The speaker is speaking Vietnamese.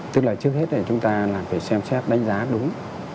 tức là trước hết thì chúng ta phải xem xét đánh giá đúng